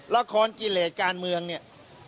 ละครกิเลสการเมืองเนี่ย